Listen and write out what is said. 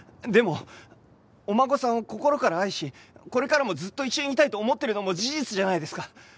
でもお孫さんを心から愛しこれからもずっと一緒にいたいと思ってるのも事実じゃないですか？